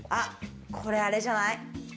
これ、あれじゃない？